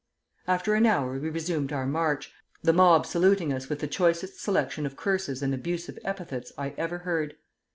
"After an hour we resumed our march, the mob saluting us with the choicest selection of curses and abusive epithets I ever heard.